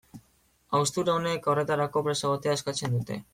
Haustura uneek horretarako prest egotea eskatzen dute.